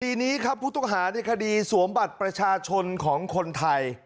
ทีนี้ครับภูตกฐานคดีสวมบัติประชาชนของคนไทย